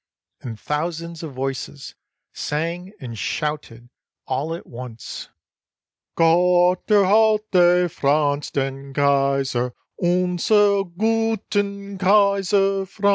And thousands of voices sang and shouted all at once, —" Gott erhalte Franz den Kaiser, Unsern guten Kaiser Franz!"